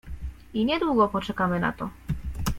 I niedługo poczekamy na to.